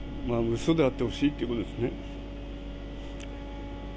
うそであってほしいということですね。